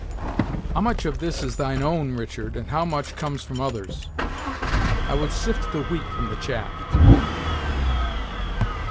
"How much of this is thine own, Richard, and how much comes from others? I would sift the wheat from the chaff."